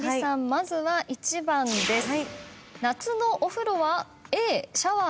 まずは１番です。